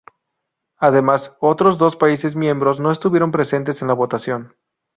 Además, otros dos países miembros no estuvieron presentes en la votación.